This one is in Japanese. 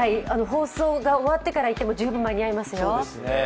放送が終わってから行っても十分間に合いますよ。